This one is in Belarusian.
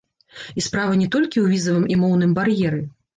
І справа не толькі ў візавым і моўным бар'еры.